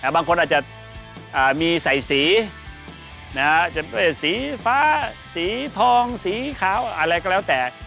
บางคนอาจจะมีใส่สีจะด้วยสีฟ้าสีทองสีขาวอะไรก็แล้วแต่